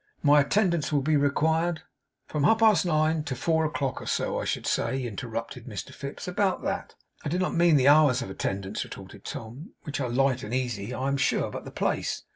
My attendance will be required ' 'From half past nine to four o'clock or so, I should say,' interrupted Mr Fips. 'About that.' 'I did not mean the hours of attendance,' retorted Tom, 'which are light and easy, I am sure; but the place.